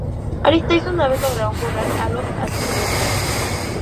Aristeo y sus naves lograron burlar a los atenienses.